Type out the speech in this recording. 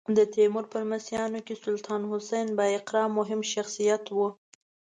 د تیمور په لمسیانو کې سلطان حسین بایقرا مهم شخصیت و.